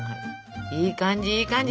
いい感じいい感じ。